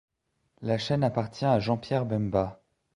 La chaîne appartient à Jean-Pierre Bemba.